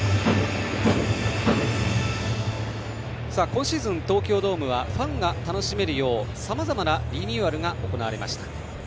今シーズン、東京ドームはファンが楽しめるようさまざまなリニューアルが行われました。